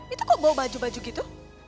itu kok bawa baju baju gitu